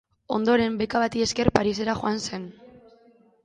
Ondoren, beka bati esker, Parisera joan zen.